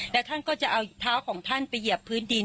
แล้วท่านก็จะเอาเท้าของท่านไปเหยียบพื้นดิน